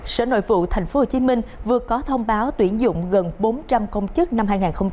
sở nội vụ tp hcm vừa có thông báo tuyển dụng gần bốn trăm linh công chức năm hai nghìn hai mươi bốn